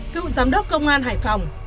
cựu giám đốc công an hải phòng